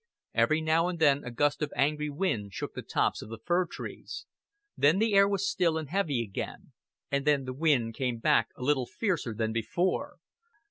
Every now and then a gust of angry wind shook the tops of the fir trees; then the air was still and heavy again, and then the wind came back a little fiercer than before.